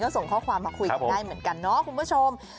ส่งข้อความมาคุยกันได้เหมือนกันเนาะคุณผู้ชม